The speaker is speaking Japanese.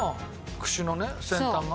串のね先端が？